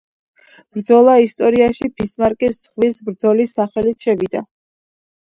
ბრძოლა ისტორიაში „ბისმარკის ზღვის ბრძოლის“ სახელით შევიდა.